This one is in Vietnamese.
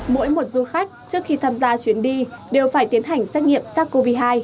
mỗi một du khách trước khi tham gia chuyến đi đều phải tiến hành xét nghiệm sars cov hai